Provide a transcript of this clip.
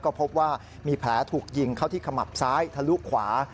ก็พบว่ามีแผลถูกยิงเข้าที่ขมับซ้ายทะลุขวา